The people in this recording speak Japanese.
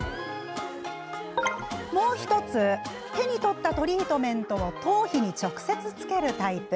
もう１つ手に取ったトリートメントを頭皮に直接つけるタイプ。